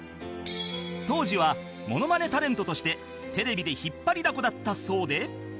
当時はモノマネタレントとしてテレビで引っ張りだこだったそうで